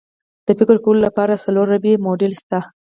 د فکر کولو لپاره څلور ربعي موډل شته.